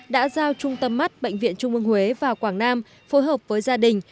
đã giao trung tâm mắt bệnh viện trung ương huế vào quảng nam phối hợp với gia đình